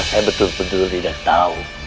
jadi saya betul betul tidak tahu